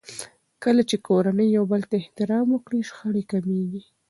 کله چې کورنۍ يو بل ته احترام وکړي، شخړې کمېږي.